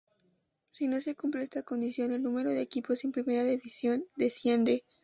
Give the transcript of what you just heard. Si no se cumple esta condición, el número de equipos en primera división desciende.